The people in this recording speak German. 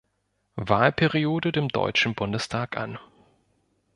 Wahlperiode dem Deutschen Bundestag an.